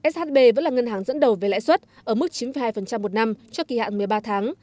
shb vẫn là ngân hàng dẫn đầu về lãi suất ở mức chín hai một năm cho kỳ hạn một mươi ba tháng